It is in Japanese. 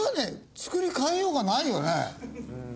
作り替えようがないよね。